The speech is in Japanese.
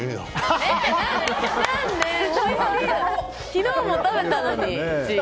昨日も食べたのに。